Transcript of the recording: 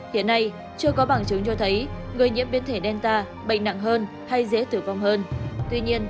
hiện nay chưa có bằng chứng cho thấy người nhiễm biến thể denta bệnh nặng hơn hay dễ tử vong hơn